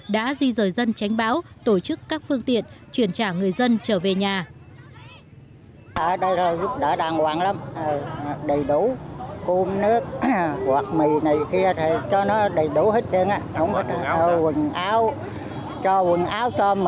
đã di rời dân tránh báo tổ chức các phương tiện chuyển trả người dân trở về nhà